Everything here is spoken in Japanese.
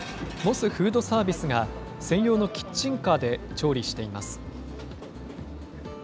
モスフードサービスが、専用のキッチンカーで調理しています。